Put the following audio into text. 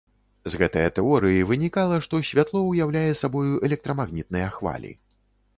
З гэтае тэорыі вынікала, што святло ўяўляе сабою электрамагнітныя хвалі.